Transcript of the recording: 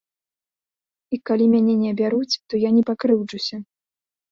І калі мяне не абяруць, то я не пакрыўджуся.